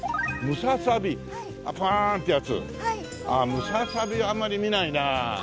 ムササビあんまり見ないなあ。